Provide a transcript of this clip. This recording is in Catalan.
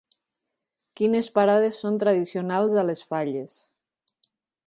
Quines parades són tradicionals a les falles?